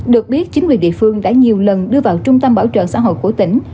được biết chính quyền địa phương đã nhiều lần đưa vào trung tâm bảo trợ xã hội của tỉnh